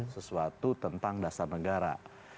sesuatu tentang dasar negara